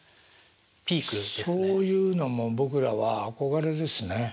そういうのも僕らは憧れですね。